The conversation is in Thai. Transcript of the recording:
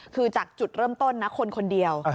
คือจากจุดเริ่มต้นนะคนคนเดียว